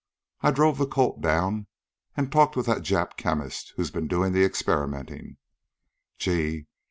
I drove the colt down an' talked with that Jap chemist who's been doin' the experimentin'. Gee!